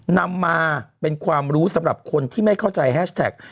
นำมาเป็นความรู้สำหรับคนที่ไม่เข้าใจแฮชแท็ก